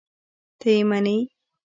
ته یې منې؟!